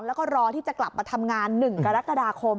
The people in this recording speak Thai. แล้วก็รอที่จะกลับมาทำงาน๑กรกฎาคม